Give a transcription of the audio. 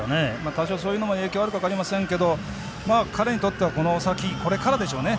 多少そういうのも影響あるか分かりませんけど、彼にとってはこの先、これからでしょうね。